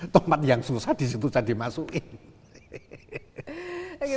tempat yang susah di situ saja dimasukin